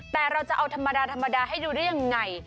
แต่เราจะเอาธรรมดาธรรมดาให้ดูได้ยังไง